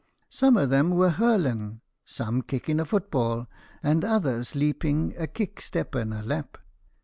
Some o' them were hurlen, some kicking a football, and others leaping a kick step and a lep.